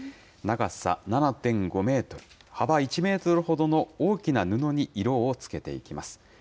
長さ７．５メートル、幅１メートルほどの大きな布に色をつけていきます。